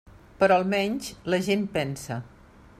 Però almenys la gent pensa.